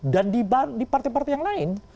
dan di partai partai yang lain